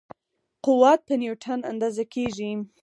قوت په نیوټن اندازه کېږي.